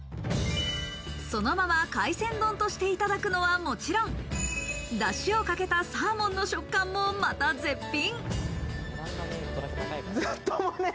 そのまま海鮮丼としていただくのはもちろん、だしをかけたサーモンの食感も、また絶品。